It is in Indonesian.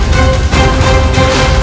kau akan menang